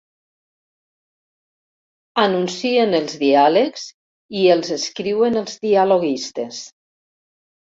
Anuncien els diàlegs i els escriuen els dialoguistes.